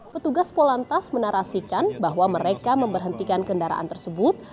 petugas polantas menarasikan bahwa mereka memberhentikan kendaraan tersebut